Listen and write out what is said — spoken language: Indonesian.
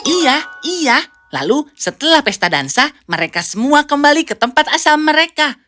iya iya lalu setelah pesta dansa mereka semua kembali ke tempat asal mereka